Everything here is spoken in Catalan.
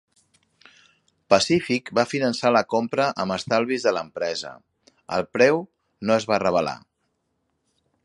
Pacific va finançar la compra amb estalvis de l'empresa. El preu no es va revelar.